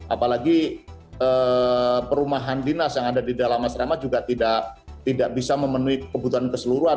apalagi perumahan dinas yang ada di dalam asrama juga tidak bisa memenuhi kebutuhan keseluruhan